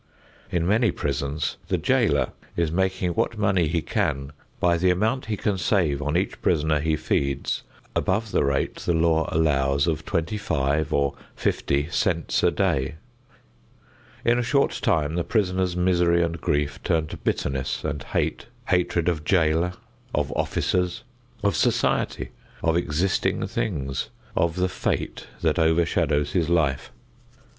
In many prisons the jailer is making what money he can by the amount he can save on each prisoner he feeds above the rate the law allows of twenty five or fifty cents a day. In a short time the prisoner's misery and grief turn to bitterness and hate; hatred of jailer, of officers, of society, of existing things, of the fate that overshadows his life.